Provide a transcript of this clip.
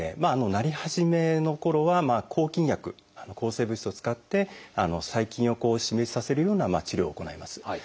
なり始めのころは抗菌薬抗生物質を使って細菌を死滅させるような治療を行います。